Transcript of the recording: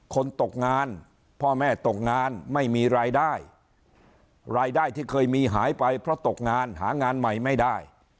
ตกงานพ่อแม่ตกงานไม่มีรายได้รายได้ที่เคยมีหายไปเพราะตกงานหางานใหม่ไม่ได้